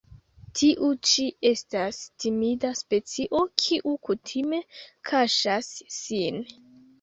Tiu ĉi estas timida specio kiu kutime kaŝas sin.